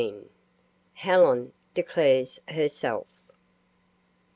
HELEN DECLARES HERSELF.